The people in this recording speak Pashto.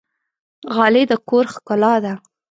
غالۍ د کور ښکلا ده